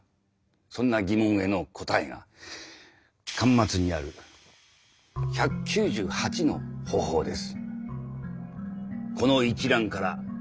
そんな疑問への答えが巻末にある１９８の方法です。